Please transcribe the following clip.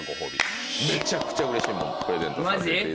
めちゃくちゃうれしいものプレゼントさせていただきます。